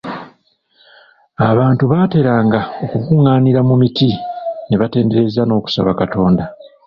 Abantu baateranga okukunganira mu muti ne batendereza n'okusaba Katonda.